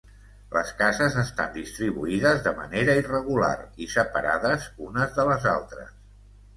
Les cases estan distribuïdes de manera irregular i separades unes de les altres.